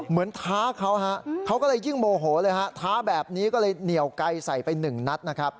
ท้าเขาฮะเขาก็เลยยิ่งโมโหเลยฮะท้าแบบนี้ก็เลยเหนียวไกลใส่ไปหนึ่งนัดนะครับ